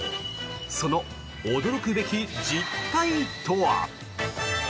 その驚くべき実態とは。